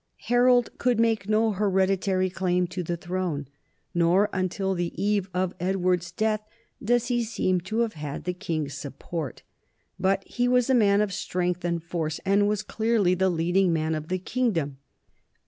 Harold could make no hereditary claim to the throne, nor until the eve of Edward's death does he seem to have had the king's support, but he was a man of strength and force and was clearly the leading man of the kingdom.